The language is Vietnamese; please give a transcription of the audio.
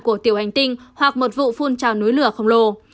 của tiểu hành tinh hoặc một vụ phun trào núi lửa khổng lồ